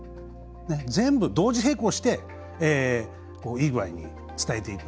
全部、同時並行していい具合に伝えていく。